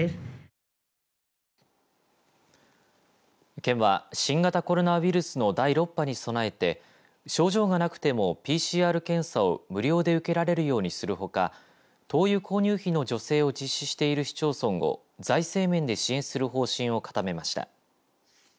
県は新型コロナウイルスの第６波に備えて症状がなくてもＰＣＲ検査を無料で受けられるようにするほか灯油購入費の助成を実施している市町村を財政面で支援する方針を固めました。